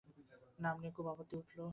নাম নিয়ে খুব আপত্তি উঠল।